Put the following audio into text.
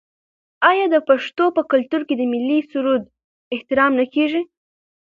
آیا د پښتنو په کلتور کې د ملي سرود احترام نه کیږي؟